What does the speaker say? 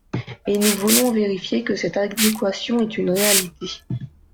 Et nous voulons vérifier que cette adéquation est une réalité.